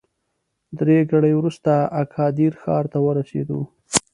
درې ګړۍ وروسته اګادیر ښار ته ورسېدو.